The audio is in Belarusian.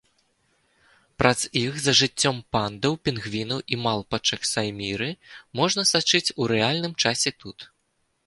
Праз іх за жыццём пандаў, пінгвінаў і малпачак-сайміры можна сачыць у рэальным часе тут.